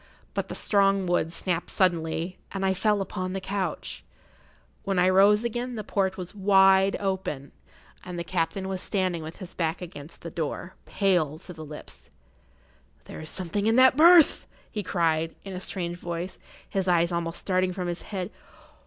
But the strong wood snapped suddenly, and I fell upon the couch. When I rose again the port was wide open, and the captain was standing with his back against the door, pale to the lips. "There is something in that berth!" he cried, in a strange voice, his eyes almost starting from his head.